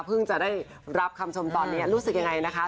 จะได้รับคำชมตอนนี้รู้สึกยังไงนะคะ